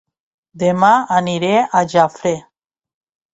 Dema aniré a Jafre